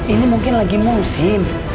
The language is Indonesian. ini mungkin lagi musim